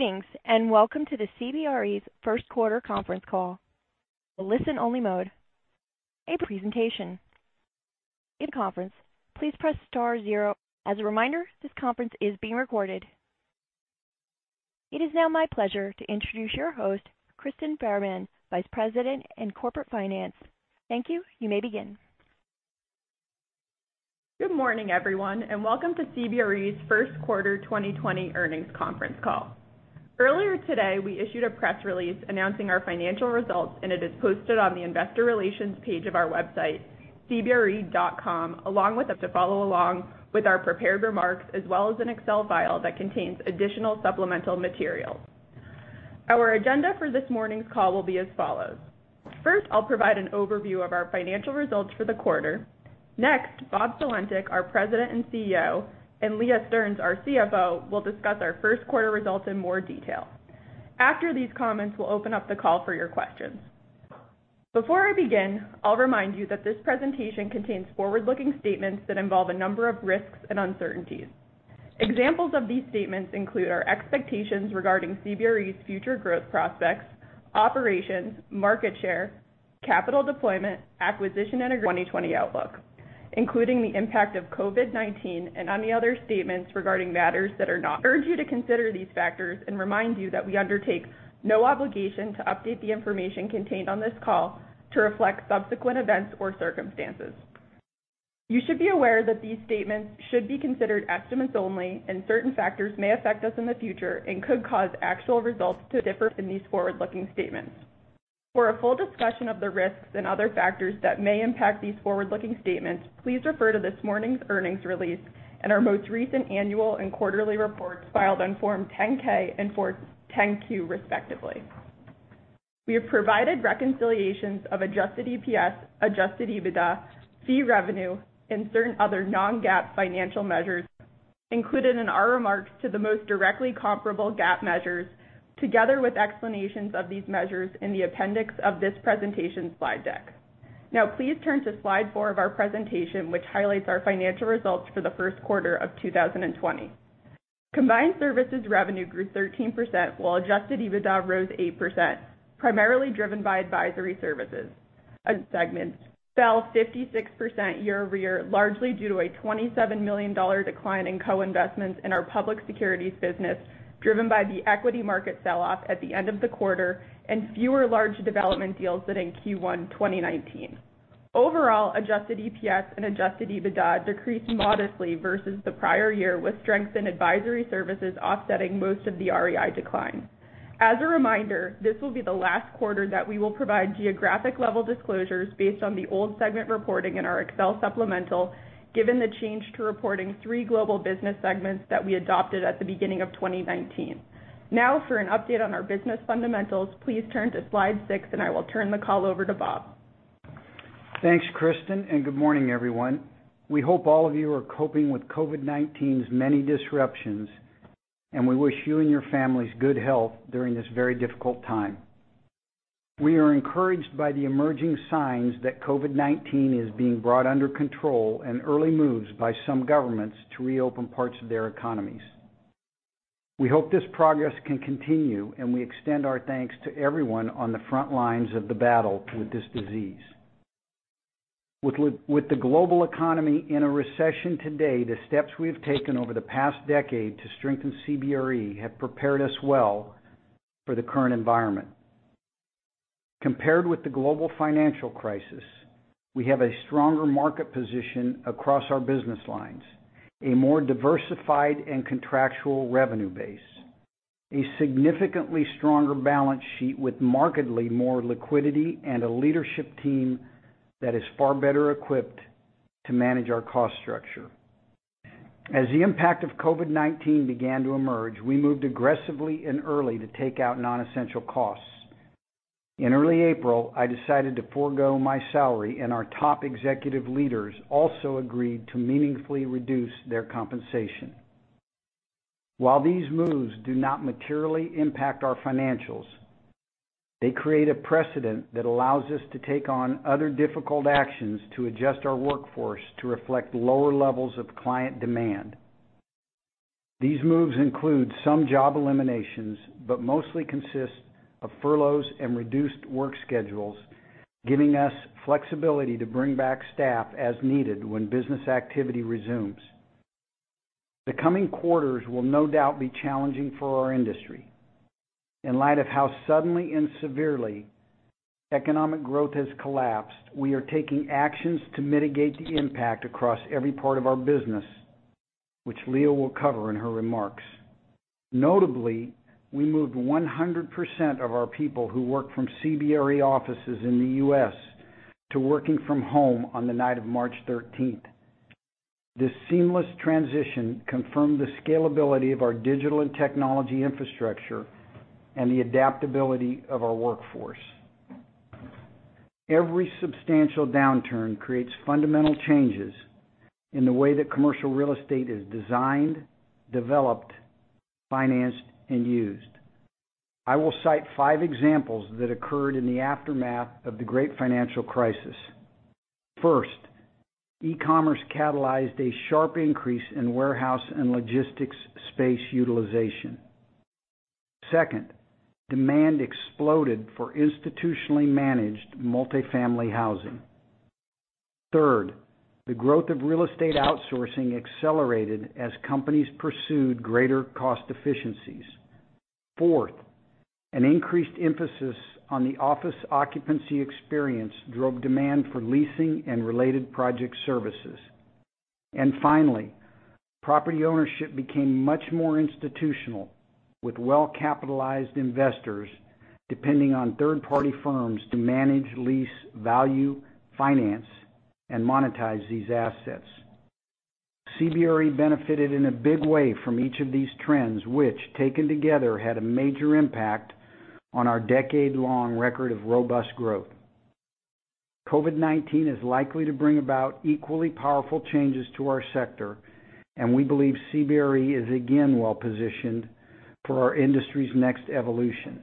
Greetings, welcome to the CBRE's first quarter conference call. Listen only mode. A presentation. Conference. Please press star zero. As a reminder, this conference is being recorded. It is now my pleasure to introduce your host, Kristyn Farahmand, Vice President in Corporate Finance. Thank you. You may begin. Good morning, everyone, and welcome to CBRE's first quarter 2020 earnings conference call. Earlier today, we issued a press release announcing our financial results, and it is posted on the investor relations page of our website, cbre.com, along with our prepared remarks as well as an Excel file that contains additional supplemental materials. Our agenda for this morning's call will be as follows. First, I'll provide an overview of our financial results for the quarter. Next, Bob Sulentic, our President and CEO, and Leah Stearns, our CFO, will discuss our first quarter results in more detail. After these comments, we'll open up the call for your questions. Before I begin, I'll remind you that this presentation contains forward-looking statements that involve a number of risks and uncertainties. Examples of these statements include our expectations regarding CBRE's future growth prospects, operations, market share, capital deployment, acquisition, and our 2020 outlook, including the impact of COVID-19 and any other statements regarding matters that are not. Urge you to consider these factors and remind you that we undertake no obligation to update the information contained on this call to reflect subsequent events or circumstances. You should be aware that these statements should be considered estimates only, and certain factors may affect us in the future and could cause actual results to differ from these forward-looking statements. For a full discussion of the risks and other factors that may impact these forward-looking statements, please refer to this morning's earnings release and our most recent annual and quarterly reports filed on Form 10-K and Form 10-Q, respectively. We have provided reconciliations of adjusted EPS, adjusted EBITDA, fee revenue, and certain other non-GAAP financial measures included in our remarks to the most directly comparable GAAP measures, together with explanations of these measures in the appendix of this presentation slide deck. Now please turn to slide four of our presentation, which highlights our financial results for the first quarter of 2020. Combined services revenue grew 13%, while adjusted EBITDA rose 8%, primarily driven by advisory services. A segment fell 56% year-over-year, largely due to a $27 million decline in co-investments in our public securities business driven by the equity market sell-off at the end of the quarter and fewer large development deals than in Q1 2019. Overall, adjusted EPS and adjusted EBITDA decreased modestly versus the prior year, with strengths in advisory services offsetting most of the REI decline. As a reminder, this will be the last quarter that we will provide geographic level disclosures based on the old segment reporting in our Excel supplemental, given the change to reporting three global business segments that we adopted at the beginning of 2019. For an update on our business fundamentals, please turn to slide six, and I will turn the call over to Bob. Thanks, Kristyn. Good morning, everyone. We hope all of you are coping with COVID-19's many disruptions, and we wish you and your families good health during this very difficult time. We are encouraged by the emerging signs that COVID-19 is being brought under control and early moves by some governments to reopen parts of their economies. We hope this progress can continue, and we extend our thanks to everyone on the front lines of the battle with this disease. With the global economy in a recession today, the steps we have taken over the past decade to strengthen CBRE have prepared us well for the current environment. Compared with the Global Financial Crisis, we have a stronger market position across our business lines, a more diversified and contractual revenue base, a significantly stronger balance sheet with markedly more liquidity, and a leadership team that is far better equipped to manage our cost structure. As the impact of COVID-19 began to emerge, we moved aggressively and early to take out non-essential costs. In early April, I decided to forego my salary, and our top executive leaders also agreed to meaningfully reduce their compensation. While these moves do not materially impact our financials, they create a precedent that allows us to take on other difficult actions to adjust our workforce to reflect lower levels of client demand. These moves include some job eliminations, but mostly consist of furloughs and reduced work schedules, giving us flexibility to bring back staff as needed when business activity resumes. The coming quarters will no doubt be challenging for our industry. In light of how suddenly and severely economic growth has collapsed, we are taking actions to mitigate the impact across every part of our business, which Leah will cover in her remarks. Notably, we moved 100% of our people who work from CBRE offices in the U.S. to working from home on the night of March 13th. This seamless transition confirmed the scalability of our digital and technology infrastructure and the adaptability of our workforce. Every substantial downturn creates fundamental changes in the way that commercial real estate is designed, developed, financed, and used. I will cite five examples that occurred in the aftermath of the Great Financial Crisis. First, e-commerce catalyzed a sharp increase in warehouse and logistics space utilization. Second, demand exploded for institutionally managed multifamily housing. Third, the growth of real estate outsourcing accelerated as companies pursued greater cost efficiencies. Fourth, an increased emphasis on the office occupancy experience drove demand for leasing and related project services. Finally, property ownership became much more institutional, with well-capitalized investors depending on third-party firms to manage, lease, value, finance, and monetize these assets. CBRE benefited in a big way from each of these trends, which, taken together, had a major impact on our decade-long record of robust growth. COVID-19 is likely to bring about equally powerful changes to our sector, and we believe CBRE is again well-positioned for our industry's next evolution.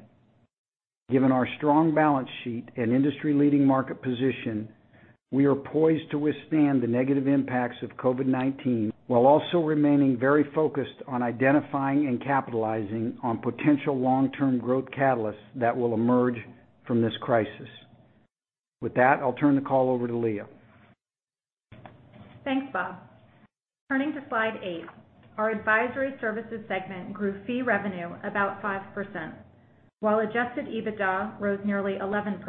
Given our strong balance sheet and industry-leading market position, we are poised to withstand the negative impacts of COVID-19 while also remaining very focused on identifying and capitalizing on potential long-term growth catalysts that will emerge from this crisis. With that, I'll turn the call over to Leah. Thanks, Bob. Turning to slide eight, our Advisory Services segment grew fee revenue about 5%, while adjusted EBITDA rose nearly 11%.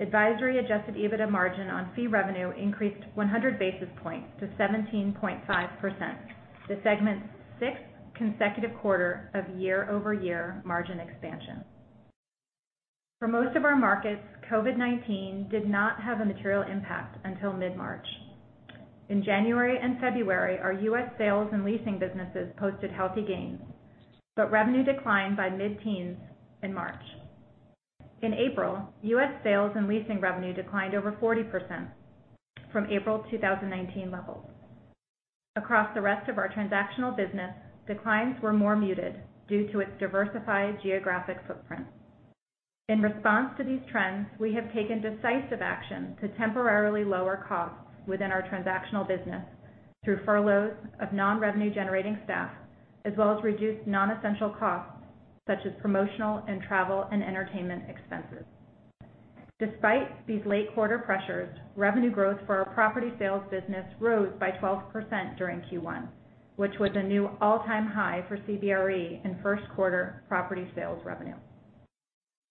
Advisory adjusted EBITDA margin on fee revenue increased 100 basis points to 17.5%, the segment's sixth consecutive quarter of year-over-year margin expansion. For most of our markets, COVID-19 did not have a material impact until mid-March. In January and February, our U.S. sales and leasing businesses posted healthy gains, but revenue declined by mid-teens in March. In April, U.S. sales and leasing revenue declined over 40% from April 2019 levels. Across the rest of our transactional business, declines were more muted due to its diversified geographic footprint. In response to these trends, we have taken decisive action to temporarily lower costs within our transactional business through furloughs of non-revenue-generating staff, as well as reduced non-essential costs such as promotional and travel and entertainment expenses. Despite these late quarter pressures, revenue growth for our property sales business rose by 12% during Q1, which was a new all-time high for CBRE in first quarter property sales revenue.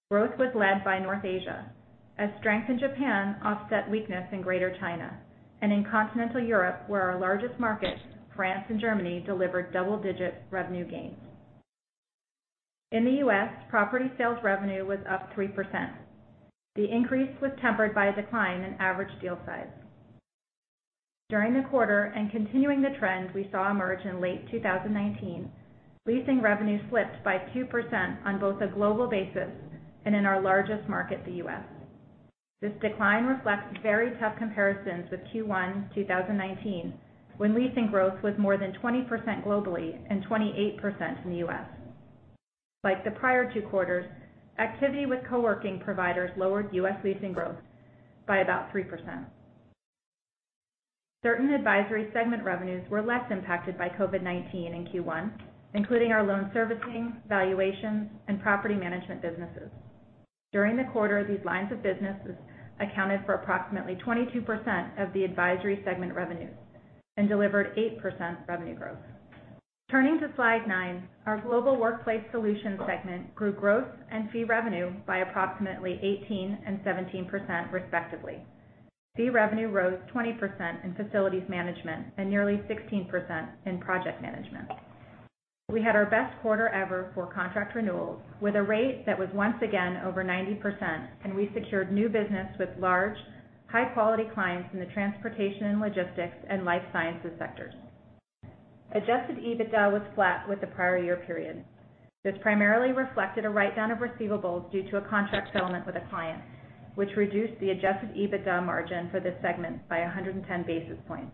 Growth was led by North Asia as strength in Japan offset weakness in Greater China and in continental Europe, where our largest markets, France and Germany, delivered double-digit revenue gains. In the U.S., property sales revenue was up 3%. The increase was tempered by a decline in average deal size. During the quarter and continuing the trend we saw emerge in late 2019, leasing revenue slipped by 2% on both a global basis and in our largest market, the U.S. This decline reflects very tough comparisons with Q1 2019, when leasing growth was more than 20% globally and 28% in the U.S. Like the prior two quarters, activity with co-working providers lowered U.S. leasing growth by about 3%. Certain advisory segment revenues were less impacted by COVID-19 in Q1, including our loan servicing, valuations, and property management businesses. During the quarter, these lines of businesses accounted for approximately 22% of the advisory segment revenues and delivered 8% revenue growth. Turning to slide nine, our Global Workplace Solutions segment grew growth and fee revenue by approximately 18% and 17%, respectively. Fee revenue rose 20% in facilities management and nearly 16% in project management. We had our best quarter ever for contract renewals with a rate that was once again over 90%, and we secured new business with large, high-quality clients in the transportation and logistics and life sciences sectors. Adjusted EBITDA was flat with the prior year period. This primarily reflected a write-down of receivables due to a contract settlement with a client, which reduced the adjusted EBITDA margin for this segment by 110 basis points.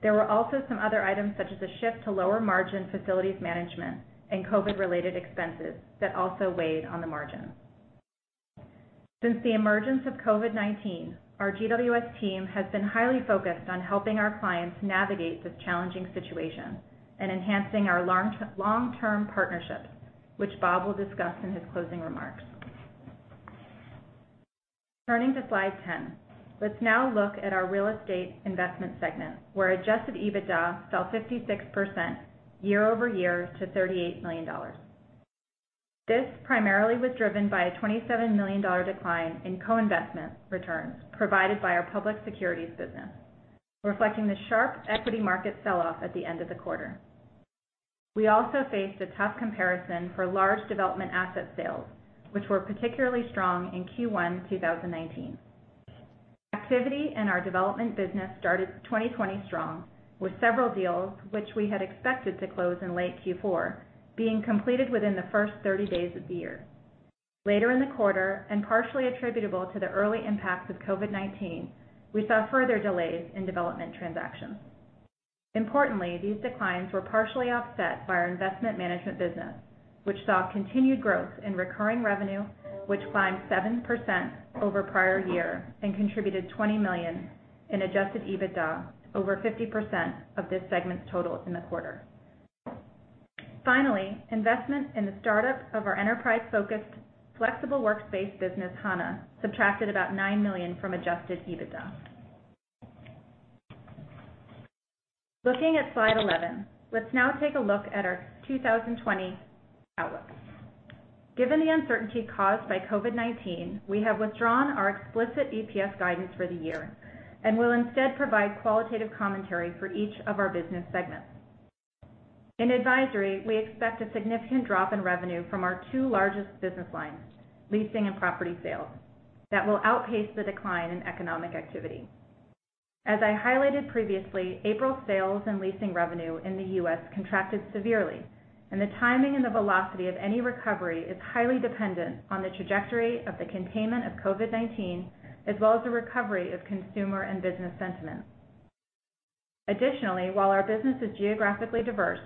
There were also some other items such as a shift to lower-margin facilities management and COVID-related expenses that also weighed on the margin. Since the emergence of COVID-19, our GWS team has been highly focused on helping our clients navigate this challenging situation and enhancing our long-term partnerships, which Bob will discuss in his closing remarks. Turning to slide 10. Let's now look at our real estate investment segment, where adjusted EBITDA fell 56% year-over-year to $38 million. This primarily was driven by a $27 million decline in co-investment returns provided by our public securities business, reflecting the sharp equity market sell-off at the end of the quarter. We also faced a tough comparison for large development asset sales, which were particularly strong in Q1 2019. Activity in our development business started 2020 strong with several deals, which we had expected to close in late Q4, being completed within the first 30 days of the year. Later in the quarter, partially attributable to the early impacts of COVID-19, we saw further delays in development transactions. Importantly, these declines were partially offset by our investment management business, which saw continued growth in recurring revenue, which climbed 7% over prior year and contributed $20 million in adjusted EBITDA, over 50% of this segment's totals in the quarter. Finally, investment in the startup of our enterprise-focused flexible workspace business, Hana, subtracted about $9 million from adjusted EBITDA. Looking at slide 11, let's now take a look at our 2020 outlook. Given the uncertainty caused by COVID-19, we have withdrawn our explicit EPS guidance for the year and will instead provide qualitative commentary for each of our business segments. In advisory, we expect a significant drop in revenue from our two largest business lines, leasing and property sales, that will outpace the decline in economic activity. As I highlighted previously, April sales and leasing revenue in the U.S. contracted severely, and the timing and the velocity of any recovery is highly dependent on the trajectory of the containment of COVID-19, as well as the recovery of consumer and business sentiment. Additionally, while our business is geographically diverse,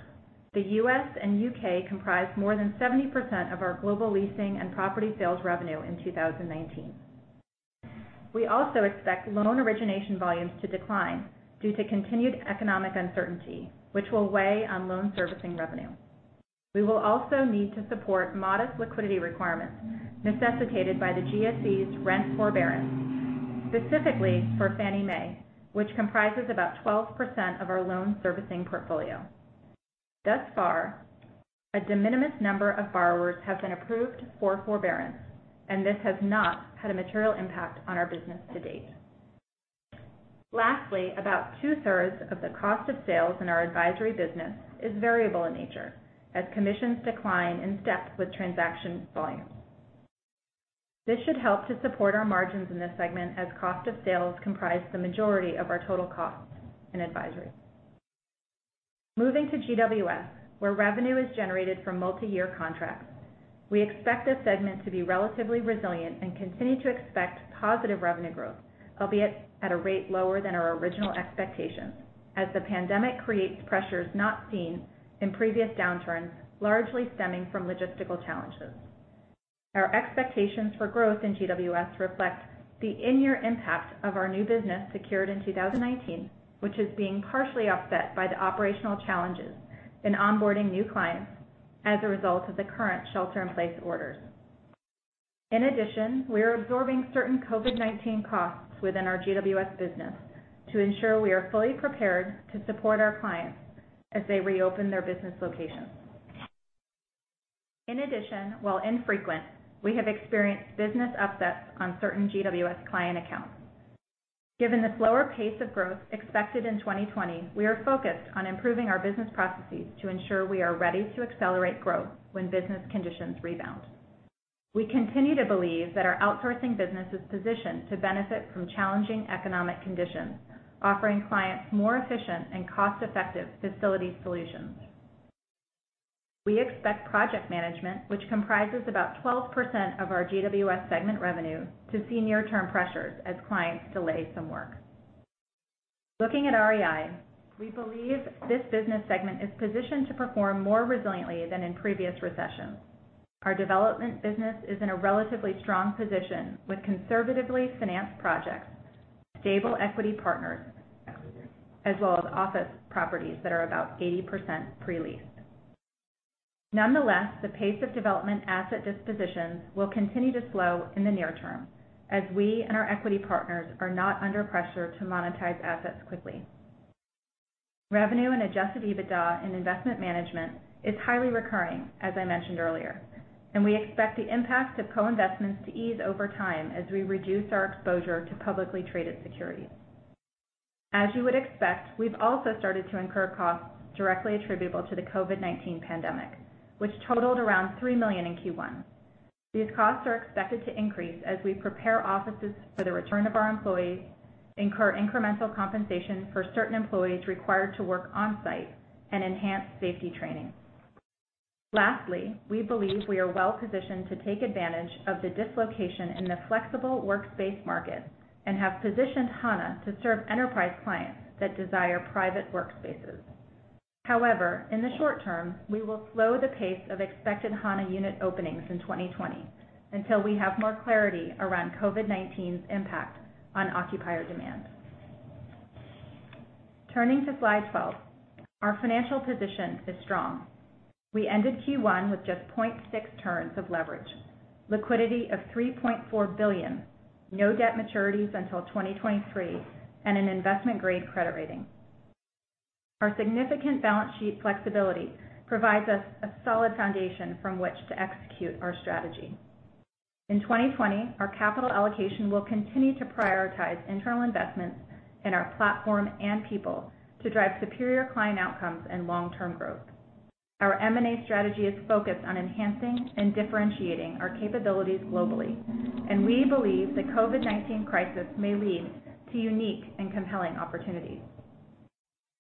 the U.S. and U.K. comprise more than 70% of our global leasing and property sales revenue in 2019. We also expect loan origination volumes to decline due to continued economic uncertainty, which will weigh on loan servicing revenue. We will also need to support modest liquidity requirements necessitated by the GSE's rent forbearance, specifically for Fannie Mae, which comprises about 12% of our loan servicing portfolio. Thus far, a de minimis number of borrowers have been approved for forbearance, and this has not had a material impact on our business to date. Lastly, about 2/3 of the cost of sales in our advisory business is variable in nature, as commissions decline in step with transaction volumes. This should help to support our margins in this segment as cost of sales comprise the majority of our total costs in advisory. Moving to GWS, where revenue is generated from multi-year contracts. We expect this segment to be relatively resilient and continue to expect positive revenue growth, albeit at a rate lower than our original expectations, as the pandemic creates pressures not seen in previous downturns, largely stemming from logistical challenges. Our expectations for growth in GWS reflect the in-year impact of our new business secured in 2019, which is being partially offset by the operational challenges in onboarding new clients as a result of the current shelter-in-place orders. In addition, we are absorbing certain COVID-19 costs within our GWS business to ensure we are fully prepared to support our clients as they reopen their business locations. In addition, while infrequent, we have experienced business upsets on certain GWS client accounts. Given the slower pace of growth expected in 2020, we are focused on improving our business processes to ensure we are ready to accelerate growth when business conditions rebound. We continue to believe that our outsourcing business is positioned to benefit from challenging economic conditions, offering clients more efficient and cost-effective facility solutions. We expect project management, which comprises about 12% of our GWS segment revenue, to see near-term pressures as clients delay some work. Looking at REI, we believe this business segment is positioned to perform more resiliently than in previous recessions. Our development business is in a relatively strong position with conservatively financed projects, stable equity partners, as well as office properties that are about 80% pre-leased. Nonetheless, the pace of development asset dispositions will continue to slow in the near term, as we and our equity partners are not under pressure to monetize assets quickly. Revenue and adjusted EBITDA in Investment Management is highly recurring, as I mentioned earlier, and we expect the impact of co-investments to ease over time as we reduce our exposure to publicly traded securities. As you would expect, we've also started to incur costs directly attributable to the COVID-19 pandemic, which totaled around $3 million in Q1. These costs are expected to increase as we prepare offices for the return of our employees, incur incremental compensation for certain employees required to work on-site, and enhance safety training. We believe we are well positioned to take advantage of the dislocation in the flexible workspace market and have positioned Hana to serve enterprise clients that desire private workspaces. In the short term, we will slow the pace of expected Hana unit openings in 2020 until we have more clarity around COVID-19's impact on occupier demand. Turning to slide 12, our financial position is strong. We ended Q1 with just 0.6 turns of leverage, liquidity of $3.4 billion, no debt maturities until 2023, and an investment-grade credit rating. Our significant balance sheet flexibility provides us a solid foundation from which to execute our strategy. In 2020, our capital allocation will continue to prioritize internal investments in our platform and people to drive superior client outcomes and long-term growth. Our M&A strategy is focused on enhancing and differentiating our capabilities globally, and we believe the COVID-19 crisis may lead to unique and compelling opportunities.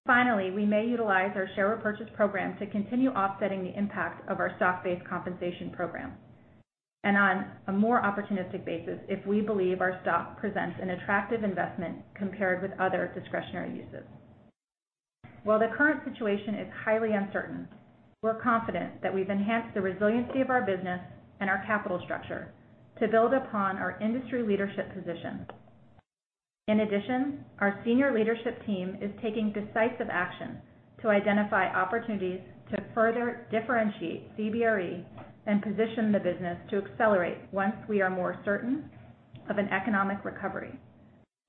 Finally, we may utilize our share repurchase program to continue offsetting the impact of our stock-based compensation program. On a more opportunistic basis, if we believe our stock presents an attractive investment compared with other discretionary uses. While the current situation is highly uncertain, we're confident that we've enhanced the resiliency of our business and our capital structure to build upon our industry leadership position. Our senior leadership team is taking decisive action to identify opportunities to further differentiate CBRE and position the business to accelerate once we are more certain of an economic recovery.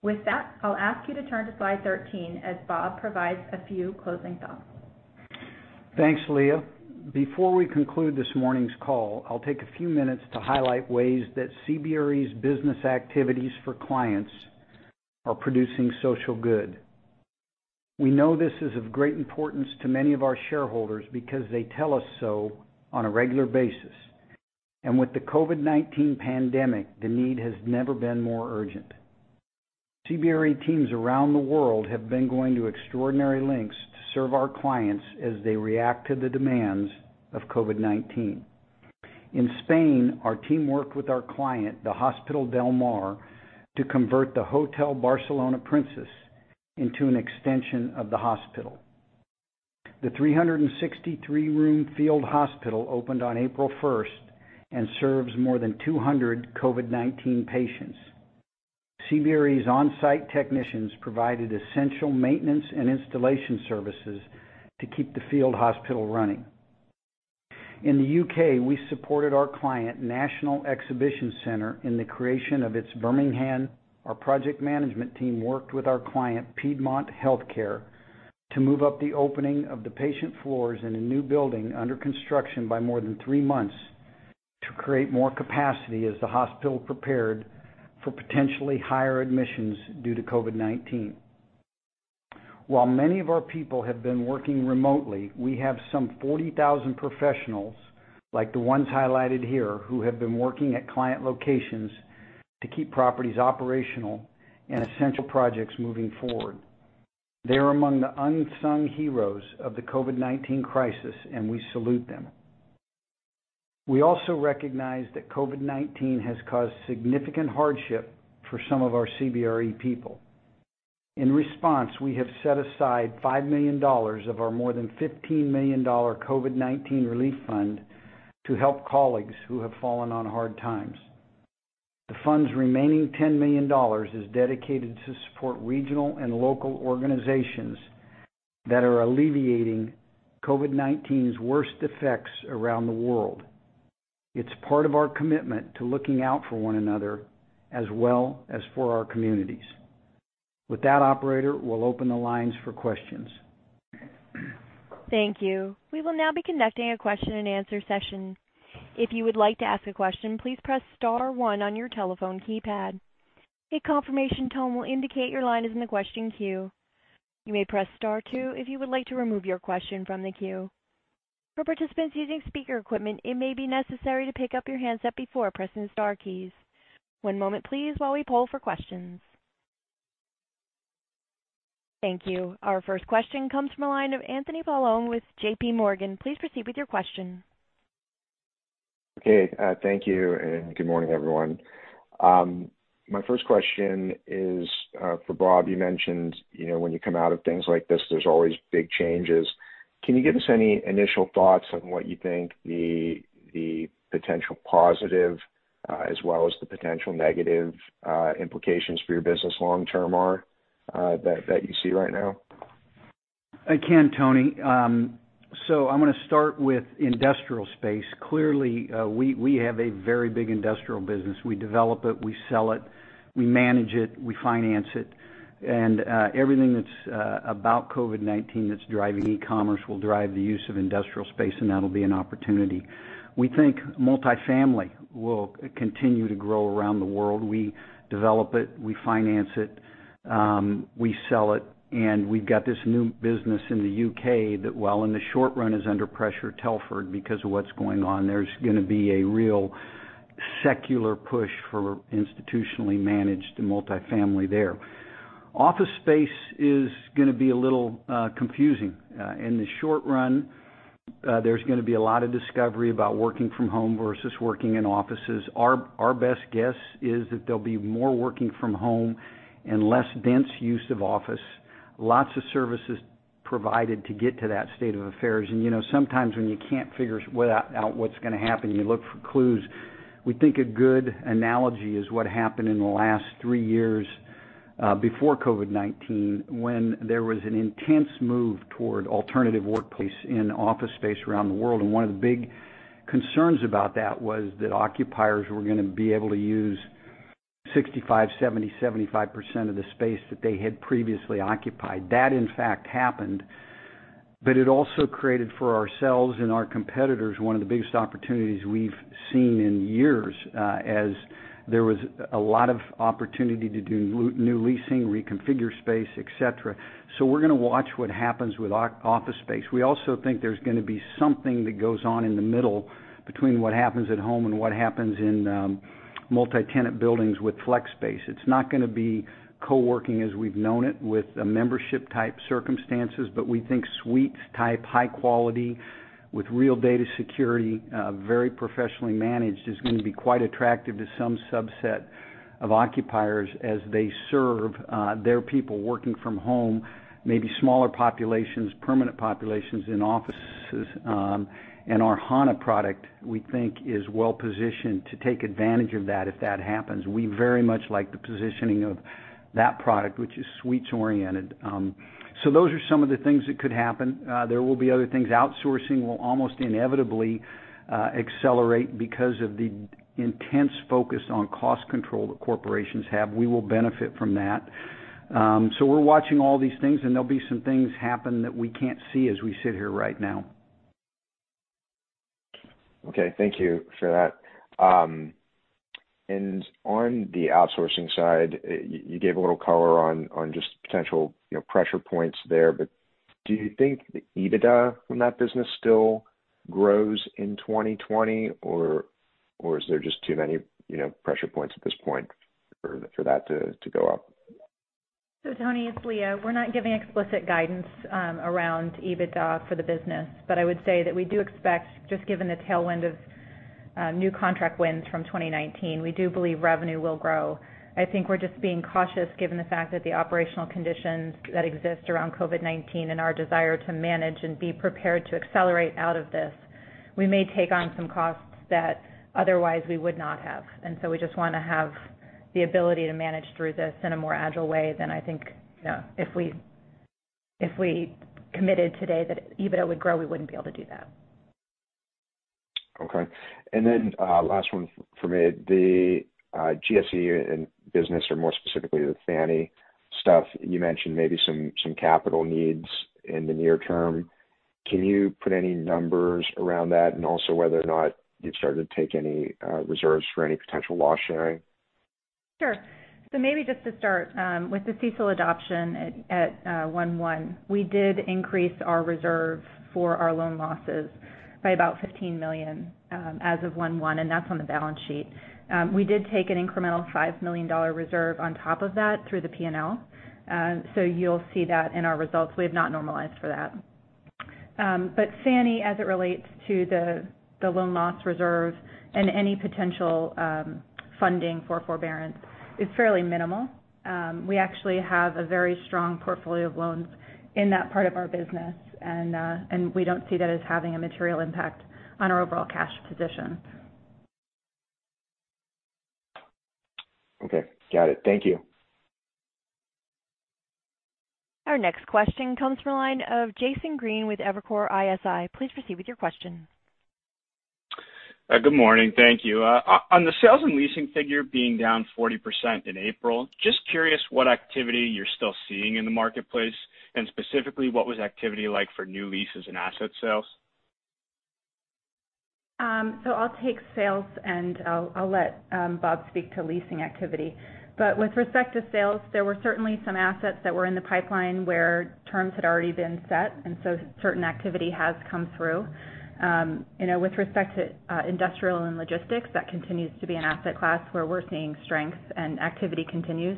With that, I'll ask you to turn to slide 13 as Bob provides a few closing thoughts. Thanks, Leah. Before we conclude this morning's call, I'll take a few minutes to highlight ways that CBRE's business activities for clients are producing social good. We know this is of great importance to many of our shareholders because they tell us so on a regular basis. With the COVID-19 pandemic, the need has never been more urgent. CBRE teams around the world have been going to extraordinary lengths to serve our clients as they react to the demands of COVID-19. In Spain, our team worked with our client, the Hospital del Mar, to convert the Hotel Barcelona Princess into an extension of the hospital. The 363-room field hospital opened on April 1st and serves more than 200 COVID-19 patients. CBRE's on-site technicians provided essential maintenance and installation services to keep the field hospital running. In the U.K., we supported our client, National Exhibition Centre, in the creation of its Birmingham. Our project management team worked with our client, Piedmont Healthcare, to move up the opening of the patient floors in a new building under construction by more than three months to create more capacity as the hospital prepared for potentially higher admissions due to COVID-19. While many of our people have been working remotely, we have some 40,000 professionals, like the ones highlighted here, who have been working at client locations to keep properties operational and essential projects moving forward. They are among the unsung heroes of the COVID-19 crisis, and we salute them. We also recognize that COVID-19 has caused significant hardship for some of our CBRE people. In response, we have set aside $5 million of our more than $15 million COVID-19 relief fund to help colleagues who have fallen on hard times. The fund's remaining $10 million is dedicated to support regional and local organizations that are alleviating COVID-19's worst effects around the world. It's part of our commitment to looking out for one another as well as for our communities. With that operator, we'll open the lines for questions. Thank you. We will now be conducting a question and answer session. If you would like to ask a question, please press star one on your telephone keypad. A confirmation tone will indicate your line is in the question queue. You may press star two if you would like to remove your question from the queue. For participants using speaker equipment, it may be necessary to pick up your handset before pressing the star keys. One moment please, while we poll for questions. Thank you. Our first question comes from the line of Anthony Paolone with JPMorgan. Please proceed with your question. Okay. Thank you, and good morning, everyone. My first question is for Bob. You mentioned when you come out of things like this, there's always big changes. Can you give us any initial thoughts on what you think the potential positive as well as the potential negative implications for your business long term are that you see right now? I can, Anthony. I'm going to start with industrial space. Clearly, we have a very big industrial business. We develop it, we sell it, we manage it, we finance it. Everything that's about COVID-19 that's driving e-commerce will drive the use of industrial space. That'll be an opportunity. We think multifamily will continue to grow around the world. We develop it, we finance it, we sell it. We've got this new business in the U.K. that while in the short run is under pressure, Telford, because of what's going on. There's going to be a real secular push for institutionally managed multifamily there. Office space is going to be a little confusing. In the short run, there's going to be a lot of discovery about working from home versus working in offices. Our best guess is that there'll be more working from home and less dense use of office. Lots of services provided to get to that state of affairs. Sometimes when you can't figure out what's going to happen, you look for clues. We think a good analogy is what happened in the last three years before COVID-19, when there was an intense move toward alternative workplace in office space around the world, and one of the big concerns about that was that occupiers were going to be able to use 65%, 70%, 75% of the space that they had previously occupied. That, in fact, happened. It also created for ourselves and our competitors one of the biggest opportunities we've seen in years, as there was a lot of opportunity to do new leasing, reconfigure space, et cetera. We're going to watch what happens with office space. We also think there's going to be something that goes on in the middle between what happens at home and what happens in multi-tenant buildings with flex space. It's not going to be co-working as we've known it with a membership type circumstances. We think suites type high quality with real data security, very professionally managed, is going to be quite attractive to some subset of occupiers as they serve their people working from home, maybe smaller populations, permanent populations in offices. Our Hana product, we think is well-positioned to take advantage of that if that happens. We very much like the positioning of that product, which is suites oriented. Those are some of the things that could happen. There will be other things. Outsourcing will almost inevitably accelerate because of the intense focus on cost control that corporations have. We will benefit from that. We're watching all these things, and there'll be some things happen that we can't see as we sit here right now. Okay. Thank you for that. On the outsourcing side, you gave a little color on just potential pressure points there, but do you think the EBITDA from that business still grows in 2020? Is there just too many pressure points at this point for that to go up? Anthony, it's Leah. We're not giving explicit guidance around EBITDA for the business, but I would say that we do expect, just given the tailwind of new contract wins from 2019, we do believe revenue will grow. I think we're just being cautious given the fact that the operational conditions that exist around COVID-19 and our desire to manage and be prepared to accelerate out of this. We may take on some costs that otherwise we would not have. We just want to have the ability to manage through this in a more agile way than I think if we committed today that EBITDA would grow, we wouldn't be able to do that. Okay. Last one from me. The GSE business, or more specifically the Fannie stuff, you mentioned maybe some capital needs in the near term. Can you put any numbers around that and also whether or not you've started to take any reserves for any potential loss sharing? Sure. Maybe just to start, with the CECL adoption at 1/1, we did increase our reserve for our loan losses by about $15 million, as of 1/1, and that's on the balance sheet. We did take an incremental $5 million reserve on top of that through the P&L. You'll see that in our results. We have not normalized for that. Fannie, as it relates to the loan loss reserve and any potential funding for forbearance, is fairly minimal. We actually have a very strong portfolio of loans in that part of our business, and we don't see that as having a material impact on our overall cash position. Okay. Got it. Thank you. Our next question comes from the line of Jason Green with Evercore ISI. Please proceed with your question. Good morning. Thank you. On the sales and leasing figure being down 40% in April, just curious what activity you're still seeing in the marketplace. Specifically, what was activity like for new leases and asset sales? I'll take sales and I'll let Bob speak to leasing activity. With respect to sales, there were certainly some assets that were in the pipeline where terms had already been set, and so certain activity has come through. With respect to industrial and logistics, that continues to be an asset class where we're seeing strength and activity continues.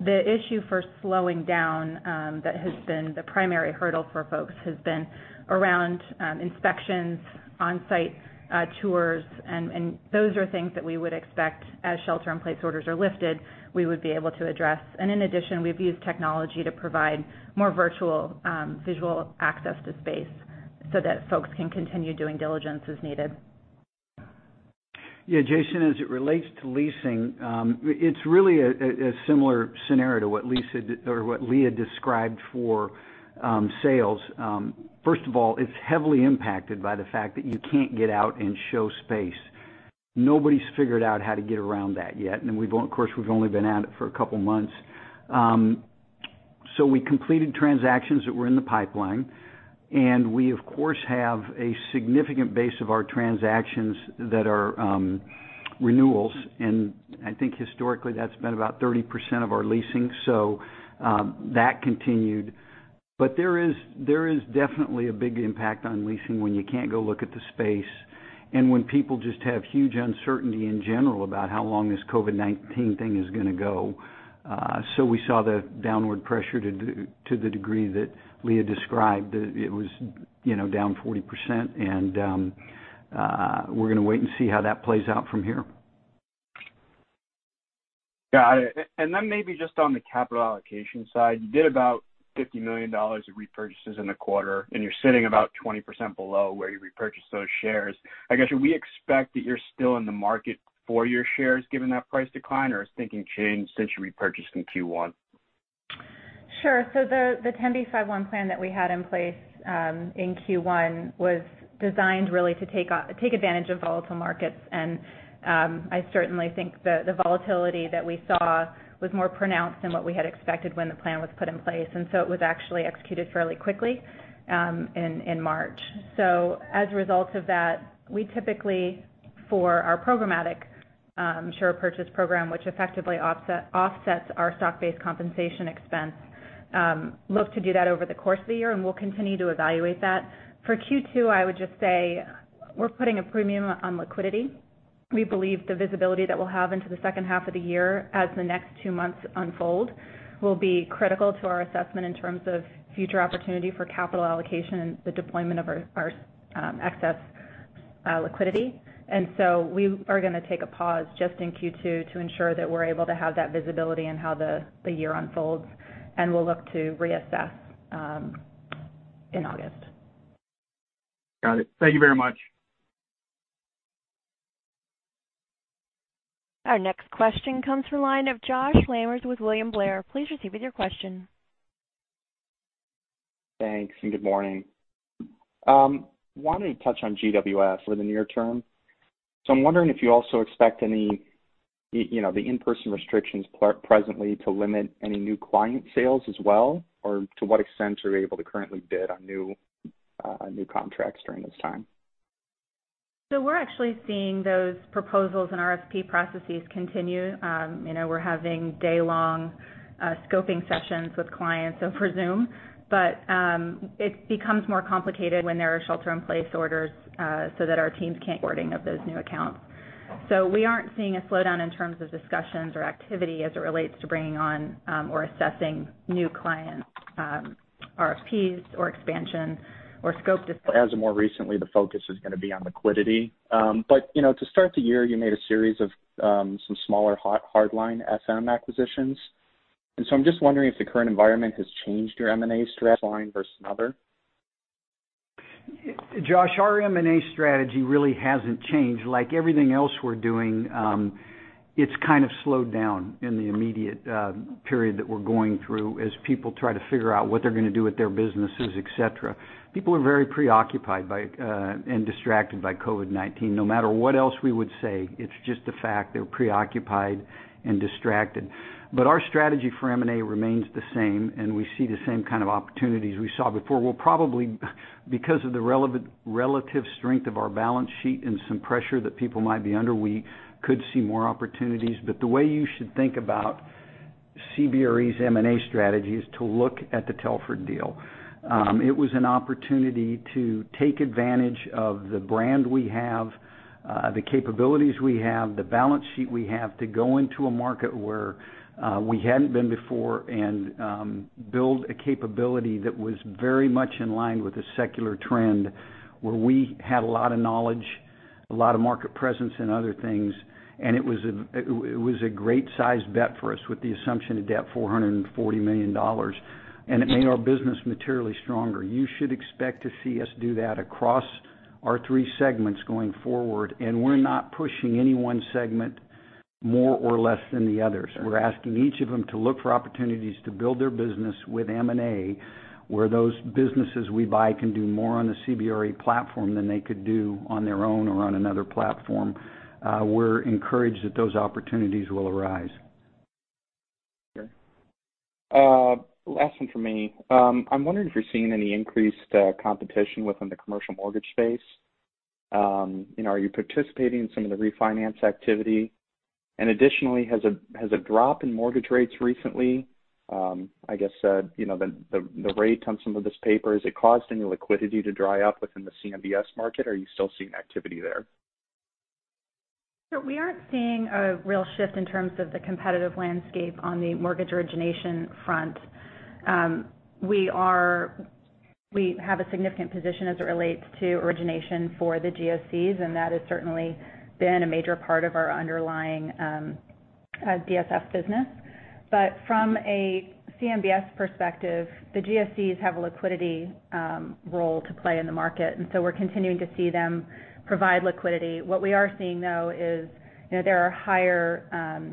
The issue for slowing down that has been the primary hurdle for folks has been around inspections, on-site tours, and those are things that we would expect as shelter-in-place orders are lifted, we would be able to address. In addition, we've used technology to provide more virtual visual access to space so that folks can continue doing diligence as needed. Yeah, Jason, as it relates to leasing, it's really a similar scenario to what Leah described for sales. First of all, it's heavily impacted by the fact that you can't get out and show space. Nobody's figured out how to get around that yet, of course, we've only been at it for a couple of months. We completed transactions that were in the pipeline, we of course have a significant base of our transactions that are renewals, I think historically that's been about 30% of our leasing. That continued. There is definitely a big impact on leasing when you can't go look at the space and when people just have huge uncertainty in general about how long this COVID-19 thing is going to go. We saw the downward pressure to the degree that Leah described. It was down 40%, and we're going to wait and see how that plays out from here. Got it. Maybe just on the capital allocation side, you did about $50 million of repurchases in the quarter, you're sitting about 20% below where you repurchased those shares. I guess, should we expect that you're still in the market for your shares given that price decline, or has thinking changed since you repurchased in Q1? Sure. The 10b5-1 plan that we had in place in Q1 was designed really to take advantage of volatile markets. I certainly think the volatility that we saw was more pronounced than what we had expected when the plan was put in place. It was actually executed fairly quickly in March. As a result of that, we typically, for our programmatic share purchase program, which effectively offsets our stock-based compensation expense, look to do that over the course of the year. We'll continue to evaluate that. For Q2, I would just say we're putting a premium on liquidity. We believe the visibility that we'll have into the second half of the year as the next two months unfold will be critical to our assessment in terms of future opportunity for capital allocation and the deployment of our excess liquidity. We are going to take a pause just in Q2 to ensure that we're able to have that visibility in how the year unfolds, and we'll look to reassess in August. Got it. Thank you very much. Our next question comes from the line of Josh Lamers with William Blair. Please proceed with your question. Thanks. Good morning. Wanted to touch on GWS for the near term. I'm wondering if you also expect the in-person restrictions presently to limit any new client sales as well, or to what extent are you able to currently bid on new contracts during this time? We're actually seeing those proposals and RFP processes continue. We're having day-long scoping sessions with clients over Zoom. It becomes more complicated when there are shelter-in-place orders so that our teams can't boarding of those new accounts. We aren't seeing a slowdown in terms of discussions or activity as it relates to bringing on or assessing new clients, RFPs or expansion or scope. As of more recently, the focus is going to be on liquidity. To start the year, you made a series of some smaller hard line SM acquisitions. I'm just wondering if the current environment has changed your M&A strategy line versus another. Josh, our M&A strategy really hasn't changed. Like everything else we're doing, it's kind of slowed down in the immediate period that we're going through as people try to figure out what they're going to do with their businesses, et cetera. People are very preoccupied by and distracted by COVID-19. No matter what else we would say, it's just a fact they're preoccupied and distracted. Our strategy for M&A remains the same, and we see the same kind of opportunities we saw before. We'll probably, because of the relative strength of our balance sheet and some pressure that people might be under, we could see more opportunities. The way you should think about CBRE's M&A strategy is to look at the Telford deal. It was an opportunity to take advantage of the brand we have, the capabilities we have, the balance sheet we have to go into a market where we hadn't been before and build a capability that was very much in line with the secular trend, where we had a lot of knowledge, a lot of market presence and other things. It was a great size bet for us with the assumption of debt, $440 million. It made our business materially stronger. You should expect to see us do that across our three segments going forward. We're not pushing any one segment more or less than the others. We're asking each of them to look for opportunities to build their business with M&A, where those businesses we buy can do more on the CBRE platform than they could do on their own or on another platform. We're encouraged that those opportunities will arise. Sure. Last one from me. I'm wondering if you're seeing any increased competition within the commercial mortgage space. Are you participating in some of the refinance activity? Additionally, has a drop in mortgage rates recently, I guess, the rate on some of this paper, has it caused any liquidity to dry up within the CMBS market, or are you still seeing activity there? We aren't seeing a real shift in terms of the competitive landscape on the mortgage origination front. We have a significant position as it relates to origination for the GSEs, and that has certainly been a major part of our underlying DSF business. From a CMBS perspective, the GSEs have a liquidity role to play in the market, and so we're continuing to see them provide liquidity. What we are seeing, though, is there are higher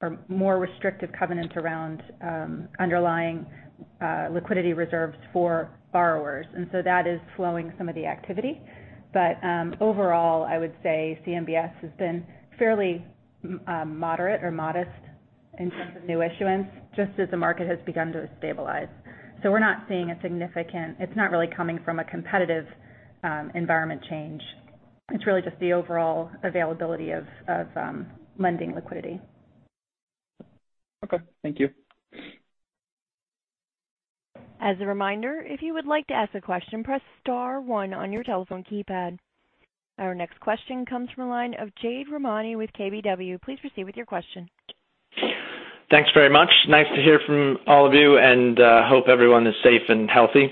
or more restrictive covenants around underlying liquidity reserves for borrowers. That is slowing some of the activity. Overall, I would say CMBS has been fairly moderate or modest in terms of new issuance, just as the market has begun to stabilize. We're not seeing a significant, it's not really coming from a competitive environment change. It's really just the overall availability of lending liquidity. Okay. Thank you. As a reminder, if you would like to ask a question, press star one on your telephone keypad. Our next question comes from the line of Jade Rahmani with KBW. Please proceed with your question. Thanks very much. Nice to hear from all of you, and hope everyone is safe and healthy.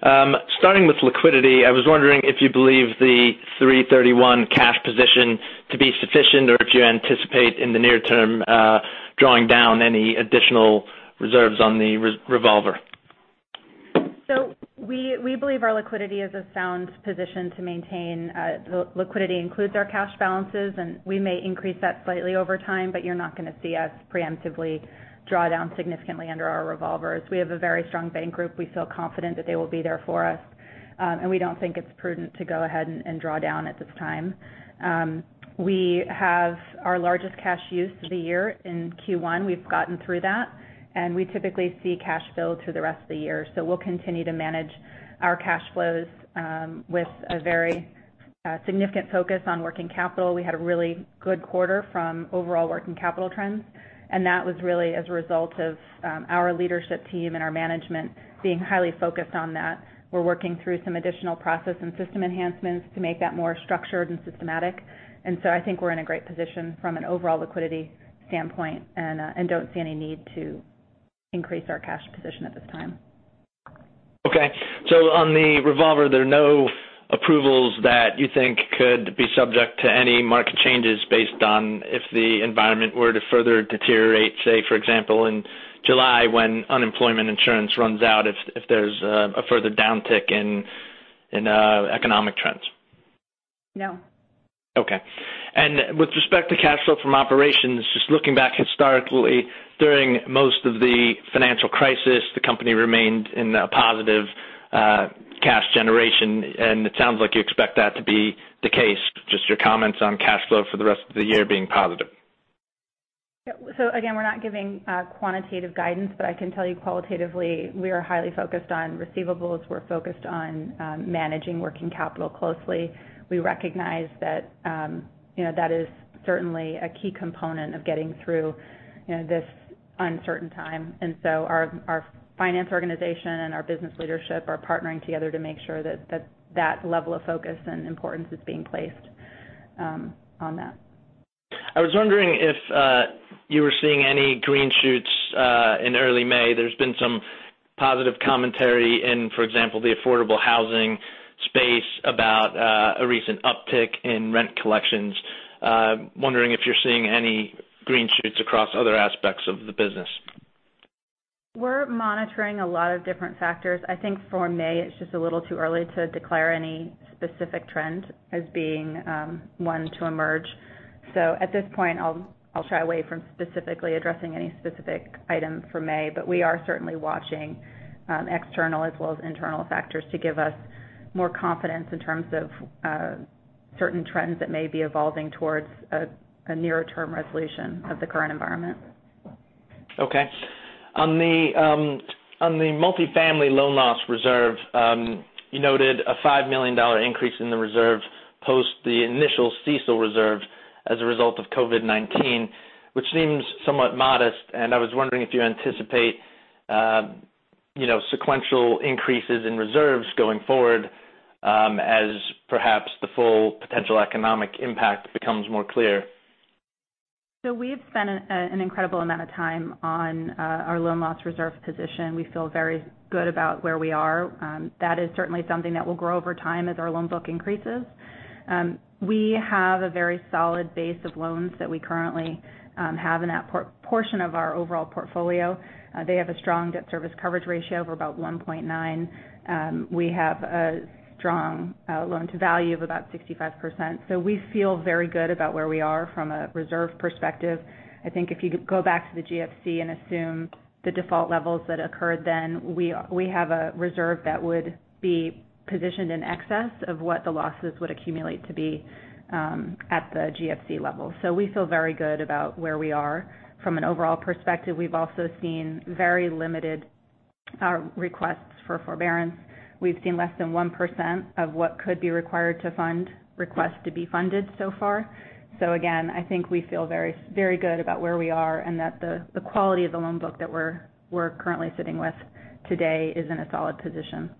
Starting with liquidity, I was wondering if you believe the $331 cash position to be sufficient or if you anticipate in the near term drawing down any additional reserves on the revolver? We believe our liquidity is a sound position to maintain. Liquidity includes our cash balances, and we may increase that slightly over time, but you're not going to see us preemptively draw down significantly under our revolvers. We have a very strong bank group. We feel confident that they will be there for us. We don't think it's prudent to go ahead and draw down at this time. We have our largest cash use of the year in Q1. We've gotten through that, and we typically see cash flow through the rest of the year. We'll continue to manage our cash flows with a very significant focus on working capital. We had a really good quarter from overall working capital trends, and that was really as a result of our leadership team and our management being highly focused on that. We're working through some additional process and system enhancements to make that more structured and systematic. I think we're in a great position from an overall liquidity standpoint and don't see any need to increase our cash position at this time. Okay. On the revolver, there are no approvals that you think could be subject to any market changes based on if the environment were to further deteriorate, say, for example, in July when unemployment insurance runs out, if there's a further downtick in economic trends? No. Okay. with respect to cash flow from operations, just looking back historically, during most of the financial crisis, the company remained in a positive cash generation, and it sounds like you expect that to be the case. Just your comments on cash flow for the rest of the year being positive. Again, we're not giving quantitative guidance, but I can tell you qualitatively, we are highly focused on receivables. We're focused on managing working capital closely. We recognize that is certainly a key component of getting through this uncertain time. Our finance organization and our business leadership are partnering together to make sure that level of focus and importance is being placed on that. I was wondering if you were seeing any green shoots in early May. There's been some positive commentary in, for example, the affordable housing space about a recent uptick in rent collections. Wondering if you're seeing any green shoots across other aspects of the business? We're monitoring a lot of different factors. I think for May, it's just a little too early to declare any specific trend as being one to emerge. At this point, I'll shy away from specifically addressing any specific item for May, but we are certainly watching external as well as internal factors to give us more confidence in terms of certain trends that may be evolving towards a near-term resolution of the current environment. Okay. On the multifamily loan loss reserve, you noted a $5 million increase in the reserve post the initial CECL reserve as a result of COVID-19, which seems somewhat modest. I was wondering if you anticipate sequential increases in reserves going forward, as perhaps the full potential economic impact becomes more clear? We've spent an incredible amount of time on our loan loss reserve position. We feel very good about where we are. That is certainly something that will grow over time as our loan book increases. We have a very solid base of loans that we currently have in that portion of our overall portfolio. They have a strong debt service coverage ratio of about 1.9. We have a strong loan-to-value of about 65%. We feel very good about where we are from a reserve perspective. I think if you go back to the GFC and assume the default levels that occurred then, we have a reserve that would be positioned in excess of what the losses would accumulate to be at the GFC level. We feel very good about where we are from an overall perspective. We've also seen very limited requests for forbearance. We've seen less than 1% of what could be required to fund requests to be funded so far. Again, I think we feel very good about where we are and that the quality of the loan book that we're currently sitting with today is in a solid position.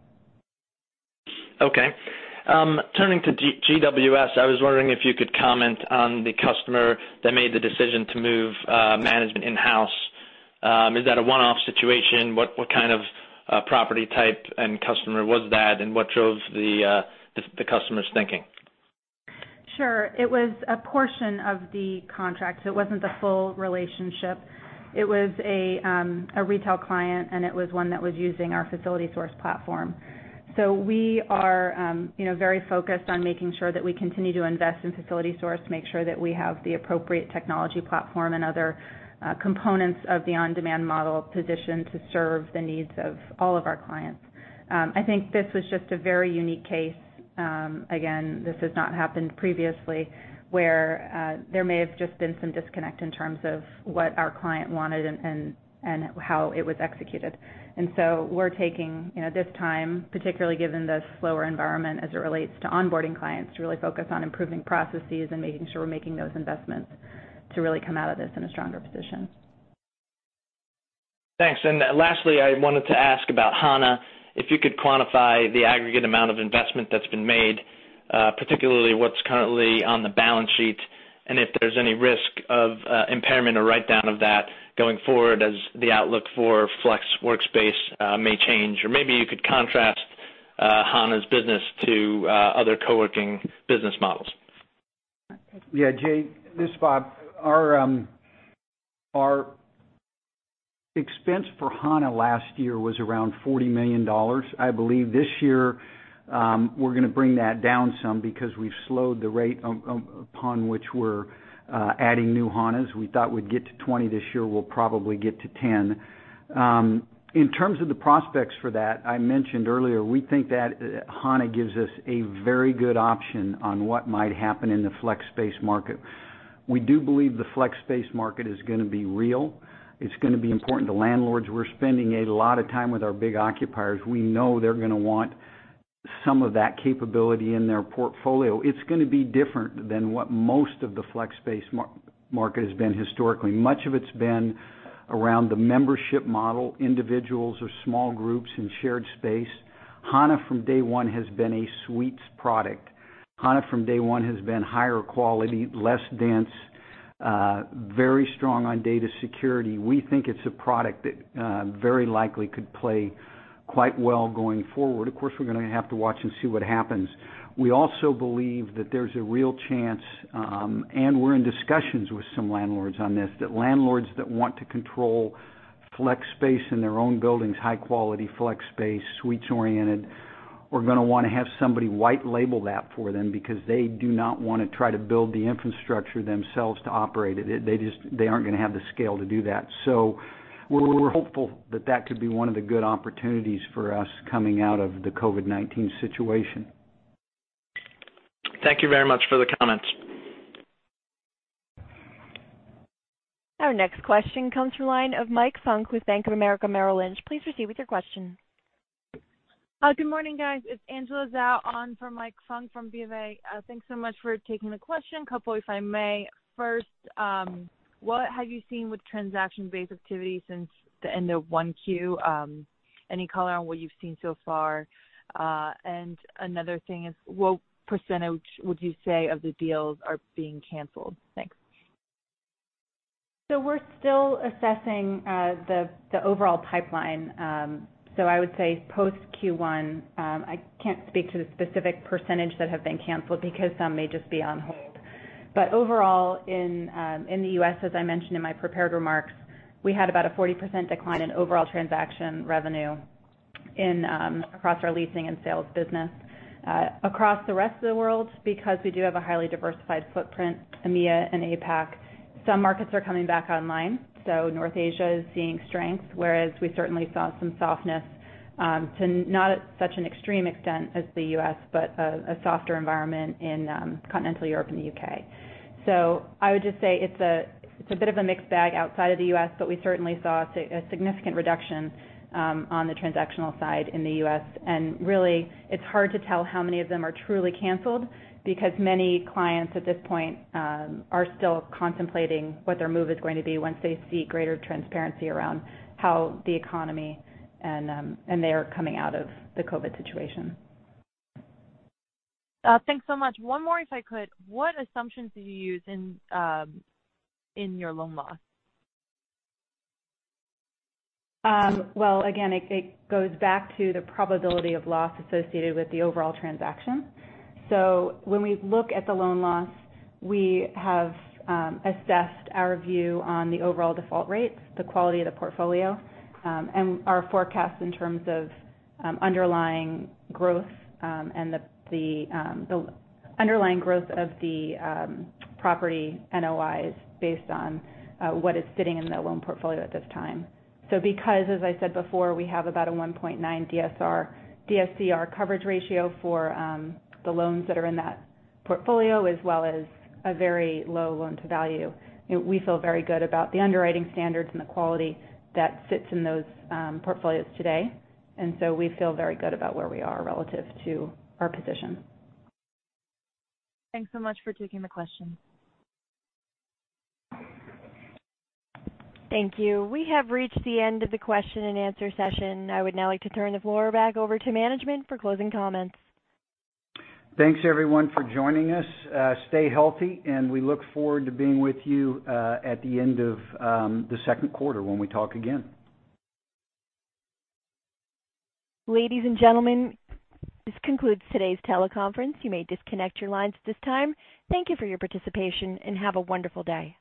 Okay. Turning to GWS, I was wondering if you could comment on the customer that made the decision to move management in-house. Is that a one-off situation? What kind of property type and customer was that, and what drove the customer's thinking? Sure. It was a portion of the contract, so it wasn't the full relationship. It was a retail client, and it was one that was using our FacilitySource platform. We are very focused on making sure that we continue to invest in FacilitySource to make sure that we have the appropriate technology platform and other components of the on-demand model positioned to serve the needs of all of our clients. I think this was just a very unique case. Again, this has not happened previously where there may have just been some disconnect in terms of what our client wanted and how it was executed. We're taking this time, particularly given the slower environment as it relates to onboarding clients, to really focus on improving processes and making sure we're making those investments to really come out of this in a stronger position. Thanks. Lastly, I wanted to ask about Hana. If you could quantify the aggregate amount of investment that's been made, particularly what's currently on the balance sheet, and if there's any risk of impairment or write-down of that going forward as the outlook for flex workspace may change. Maybe you could contrast Hana's business to other co-working business models. Yeah, Jade, this is Bob. Our expense for Hana last year was around $40 million. I believe this year we're going to bring that down some because we've slowed the rate upon which we're adding new Hanas. We thought we'd get to 20 this year. We'll probably get to 10. In terms of the prospects for that, I mentioned earlier, we think that Hana gives us a very good option on what might happen in the flex space market. We do believe the flex space market is going to be real. It's going to be important to landlords. We're spending a lot of time with our big occupiers. We know they're going to want some of that capability in their portfolio. It's going to be different than what most of the flex space market has been historically. Much of it's been around the membership model, individuals or small groups in shared space. Hana from day one has been a suites product. Hana from day one has been higher quality, less dense, very strong on data security. We think it's a product that very likely could play quite well going forward. Of course, we're going to have to watch and see what happens. We also believe that there's a real chance, and we're in discussions with some landlords on this, that landlords that want to control flex space in their own buildings, high quality flex space, suites oriented, are going to want to have somebody white label that for them because they do not want to try to build the infrastructure themselves to operate it. They aren't going to have the scale to do that. We're hopeful that that could be one of the good opportunities for us coming out of the COVID-19 situation. Thank you very much for the comments. Our next question comes from the line of Mike Funk with Bank of America Merrill Lynch. Please proceed with your question. Good morning, guys. It's Angela Zhou on for Mike Funk from B of A. Thanks so much for taking the question. A couple if I may. First, what have you seen with transaction-based activity since the end of 1Q? Any color on what you've seen so far? Another thing is, what percentage would you say of the deals are being canceled? Thanks. We're still assessing the overall pipeline. I would say post Q1, I can't speak to the specific percentage that have been canceled because some may just be on hold. Overall, in the U.S., as I mentioned in my prepared remarks, we had about a 40% decline in overall transaction revenue across our leasing and sales business. Across the rest of the world, because we do have a highly diversified footprint, EMEA and APAC, some markets are coming back online. North Asia is seeing strength, whereas we certainly saw some softness to not at such an extreme extent as the U.S., but a softer environment in continental Europe and the U.K. I would just say it's a bit of a mixed bag outside of the U.S., but we certainly saw a significant reduction on the transactional side in the U.S. Really, it's hard to tell how many of them are truly canceled because many clients at this point are still contemplating what their move is going to be once they see greater transparency around how the economy and they are coming out of the COVID situation. Thanks so much. One more if I could. What assumptions do you use in your loan loss? Again, it goes back to the probability of loss associated with the overall transaction. When we look at the loan loss, we have assessed our view on the overall default rates, the quality of the portfolio, and our forecast in terms of underlying growth of the property NOIs based on what is sitting in the loan portfolio at this time. Because, as I said before, we have about a 1.9 DSCR coverage ratio for the loans that are in that portfolio, as well as a very low loan-to-value. We feel very good about the underwriting standards and the quality that sits in those portfolios today. We feel very good about where we are relative to our position. Thanks so much for taking the question. Thank you. We have reached the end of the question and answer session. I would now like to turn the floor back over to management for closing comments. Thanks everyone for joining us. Stay healthy, and we look forward to being with you at the end of the second quarter when we talk again. Ladies and gentlemen, this concludes today's teleconference. You may disconnect your lines at this time. Thank you for your participation, and have a wonderful day.